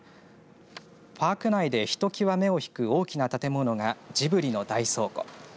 パーク内でひときわ目を引く大きな建物がジブリの大倉庫。